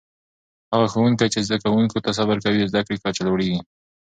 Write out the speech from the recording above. هغه ښوونکي چې زده کوونکو ته صبر کوي، د زده کړې کچه لوړېږي.